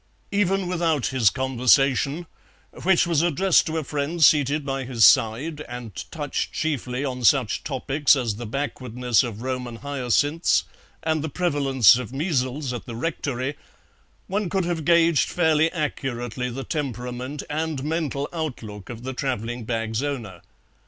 Even without his conversation (which was addressed to a friend seated by his side, and touched chiefly on such topics as the backwardness of Roman hyacinths and the prevalence of measles at the Rectory), one could have gauged fairly accurately the temperament and mental outlook of the travelling bag's owner.